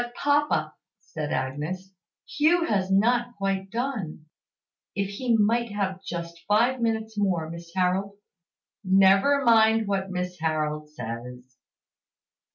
"But, papa," said Agnes, "Hugh has not quite done. If he might have just five minutes more, Miss Harold " "Never mind what Miss Harold says!